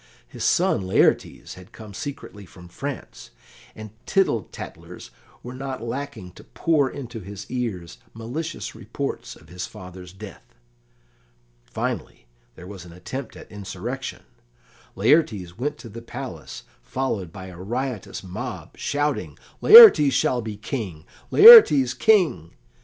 His son Laertes had come secretly from France, and tittle tattlers were not lacking to pour into his ears malicious reports of his father's death. Finally, there was an attempt at insurrection. Laertes went to the palace, followed by a riotous mob, shouting, "Laertes shall be King! Laertes King!"